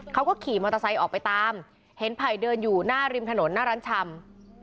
เขาก็ขี่มอเตอร์ไซค์ออกไปตามเห็นไผ่เดินอยู่หน้าริมถนนหน้าร้านชำ